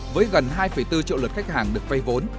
với gần hai bốn triệu lượt khách hàng được vay vốn